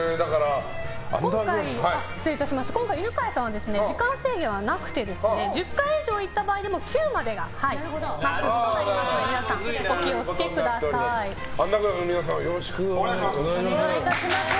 今回、犬飼さんは時間制限はなくて１０回以上いった場合でも９までがマックスとなりますのでアンダーグラフさんの皆さんよろしくお願いします。